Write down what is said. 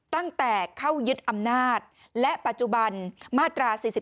ตั้งแต่เข้ายึดอำนาจและปัจจุบันมาตรา๔๔